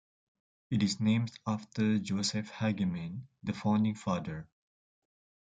It is named after Joseph Hagaman, the founding father.